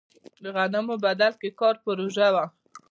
د غنمو بدل کې کار پروژه وه.